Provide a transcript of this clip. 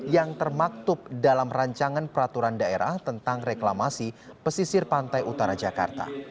yang termaktub dalam rancangan peraturan daerah tentang reklamasi pesisir pantai utara jakarta